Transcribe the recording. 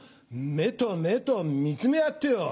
目と目と見つめ合ってよ